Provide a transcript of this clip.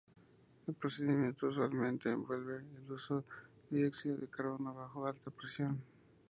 El procedimiento usualmente envuelve el uso de dióxido de carbono bajo alta presión.